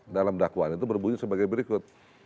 dalam dakwaan itu berbunyi sebagai berikut